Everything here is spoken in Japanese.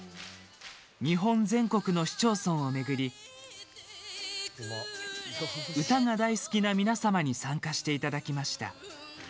日本全国の市町村を巡り歌が大好きなみなさまに参加していただきました。